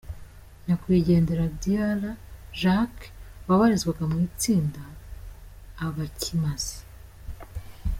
Nyakwigendera Dr Jack wabarizwaga mu itsinda Abakimaze.